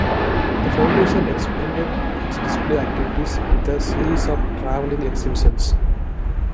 The foundation expanded its display activities with a series of traveling exhibitions.